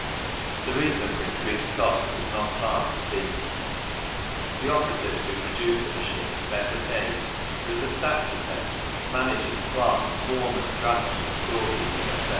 The reason for increased cost is not far to seek. The operatives who produce the machines are better paid, there is a staff to pay, managers, clerks, foremen, draughtsmen, storekeepers, etc.